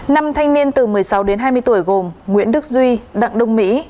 năm thanh niên từ một mươi sáu đến hai mươi tuổi gồm nguyễn đức duy đặng đông mỹ